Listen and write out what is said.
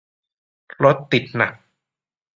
รถติดหนัก